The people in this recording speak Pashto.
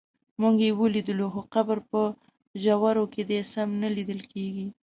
موږ یې ولیدلو خو قبر په ژورو کې دی سم نه لیدل کېږي.